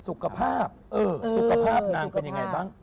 สุขภาพสุขภาพนางเป็นยังไงบ้าง